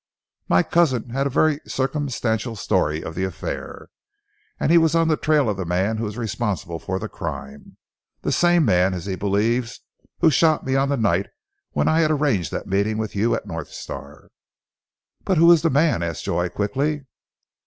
"My cousin had a very circumstantial story of the affair, and he was on the trail of the man who was responsible for the crime, the same man, as he believes, who shot me on the night when I had arranged that meeting with you at North Star." "But who is the man?" asked Joy quickly.